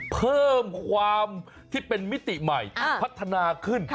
เพิ่มความที่เป็นมิติใหม่พัฒนาขึ้น